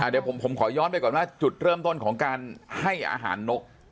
เดี๋ยวผมขอย้อนไปก่อนว่าจุดเริ่มต้นของการให้อาหารนก